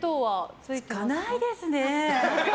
つかないですね。